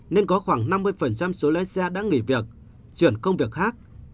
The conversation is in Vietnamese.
nên có khoảng năm mươi số lái xe đã nghỉ việc chuyển công việc khác